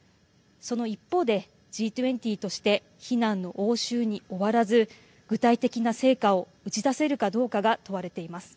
その一方で、Ｇ２０として非難の応酬に終わらず具体的な成果を打ち出せるかどうかが問われています。